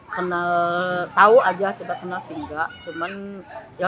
kenal tahu saja cuma yang tahu ibu saja